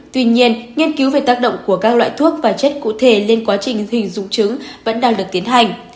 tuy nhiên nghiên cứu về tác động của các loại thuốc và chất cụ thể lên quá trình hình dung trứng vẫn đang được tiến hành